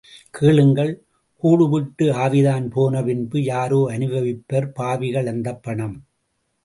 கேளுங்கள்—கூடுவிட்டு ஆவிதான் போன பின்பு யாரே அனுபவிப்பர் பாவிகாள் அந்தப் பணம்!